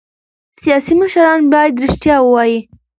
سیاسي مشران باید رښتیا ووايي